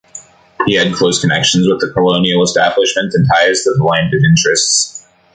He had close connections with the colonial establishment and ties to the landed interests.